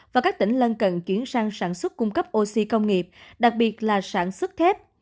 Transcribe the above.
và các tỉnh lân cận chuyển sang sản xuất cung cấp oxy công nghiệp đặc biệt là sản xuất thép